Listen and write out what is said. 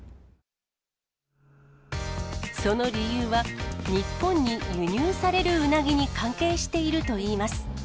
その理由は、日本に輸入されるうなぎに関係しているといいます。